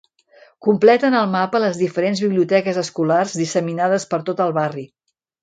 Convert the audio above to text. Completen el mapa les diferents biblioteques escolars disseminades per tot el barri.